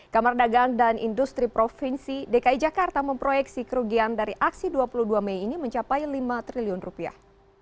kamar dagang dan industri provinsi dki jakarta memproyeksi kerugian dari aksi dua puluh dua mei ini mencapai lima triliun rupiah